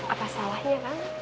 apa salahnya kan